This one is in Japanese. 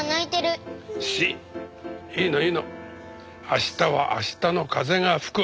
明日は明日の風が吹く。